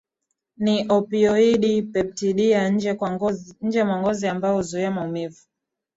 ni opioidi peptidiya nje mwa ngozi ambayo huzuia maumivu